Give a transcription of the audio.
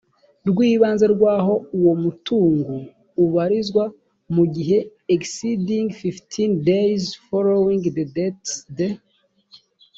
rw ibanze rw aho uwo mutungu ubarizwa mu gihe exceeding fifteen days following the date the